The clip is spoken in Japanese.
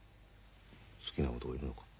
好きな男いるのか？